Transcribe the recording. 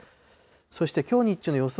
そしてきょう日中の予想